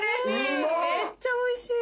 めっちゃおいしい。